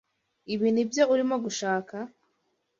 Ibi nibyo urimo gushaka?